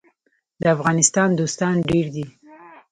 د افغانستان دوستان ډیر دي